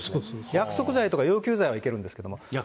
約束罪とか要求罪はいけるんですけれども。